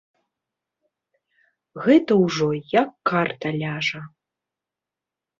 Гэта ўжо як карта ляжа.